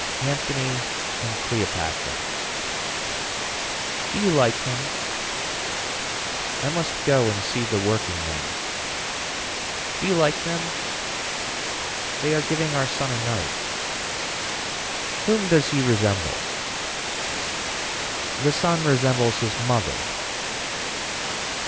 Anthony and Cleopatra. Do you like him. I must go and see the workingmen. Do you like them they are giving our son a knife. Whom does he resemble. The son resembles his mother.